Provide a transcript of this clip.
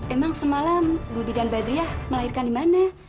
emang semalam budi dan badriah melahirkan di mana